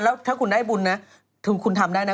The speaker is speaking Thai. แล้วถ้าคุณได้บุญนะคุณทำได้นะ